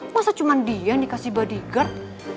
masa cuma dia yang dikasih bodyguard